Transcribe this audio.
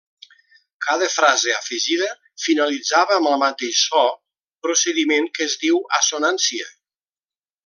Cada frase afegida finalitzava amb el mateix so, procediment que es diu assonància.